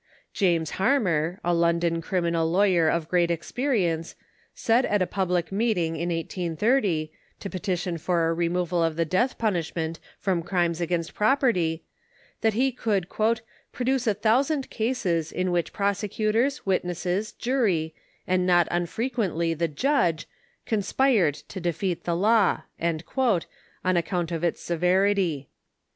James Harmer, a London criminal lawyer of great ex perience, said at a public meeting in 1830, to petition for a removal of the death punishment from crimes against property, that he could " produce a thousand cases in which prosecutors, witnesses, jury, and not unfrequently the Judge, conspired to defeat the law" on account of its severity.